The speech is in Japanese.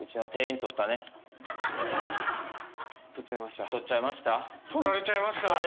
取られちゃいました？